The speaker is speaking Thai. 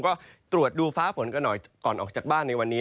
ก็ตรวจดูฟ้าฝนกันหน่อยก่อนออกจากบ้านในวันนี้